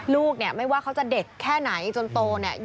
ลูกเนี่ยไม่ว่าเขาจะเด็กแค่ไหนจนโตเนี่ย